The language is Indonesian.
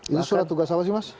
ini surat tugas apa sih mas